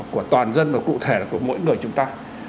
của toàn dân và cụ thể là của mỗi người chúng ta